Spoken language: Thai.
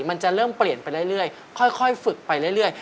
มันจะเริ่มเปลี่ยนไปเรื่อยค่อยฝึกไปเรื่อย